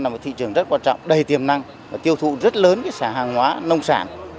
là một thị trường rất quan trọng đầy tiềm năng và tiêu thụ rất lớn sản hàng hóa nông sản